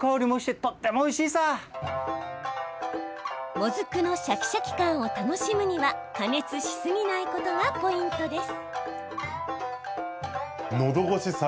もずくのシャキシャキ感を楽しむには加熱しすぎないことがポイントです。